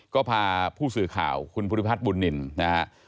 ก็พาผู้สื่อข่าวคุณภูริพัฒน์บุญนินนะฮะ